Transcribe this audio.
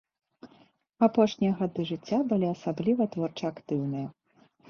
Апошнія гады жыцця былі асабліва творча актыўныя.